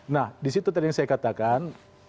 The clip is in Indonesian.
nah di situ tadi yang saya katakan